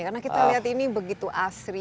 karena kita lihat ini begitu asri